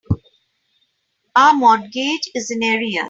Our mortgage is in arrears.